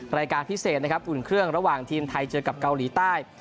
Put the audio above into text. รายการพิเศษนะครับอุ่นเครื่องระหว่างทีมไทยเจอกับเกาหลีใต้